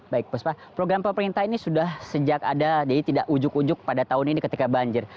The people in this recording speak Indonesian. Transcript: baik puspa program pemerintah ini sudah sejak ada jadi tidak ujuk ujuk pada tahun ini ketika banjir